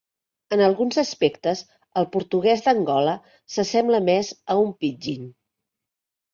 En alguns aspectes, el portuguès d'Angola s'assembla més a un pidgin.